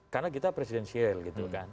karena kita presidensial gitu kan